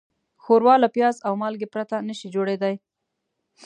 ښوروا له پیاز او مالګې پرته نهشي جوړېدای.